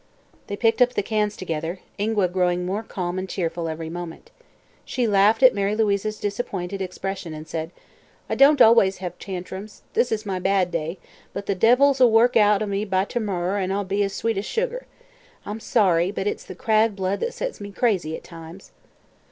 They picked up the cans together, Ingua growing more calm and cheerful each moment. She even laughed at Mary Louise's disappointed expression and said: "I don't always hev tantrums. This is my bad day; but the devils'll work out o' me by termorrer and I'll be sweet as sugar. I'm sorry; but it's the Cragg blood that sets me crazy, at times."